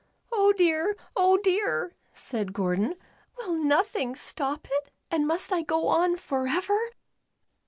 "Oh dear, oh dear," said Gordon, "will nothing stop it, and must I go on forever?